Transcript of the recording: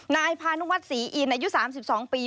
นายพานุวัฒนศรีอินอายุ๓๒ปี